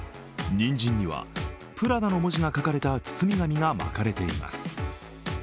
にんじんにはプラダの文字が書かれた包み紙が巻かれています。